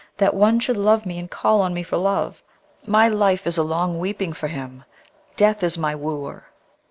that one should love me and call on me for love? My life is a long weeping for him! Death is my wooer!'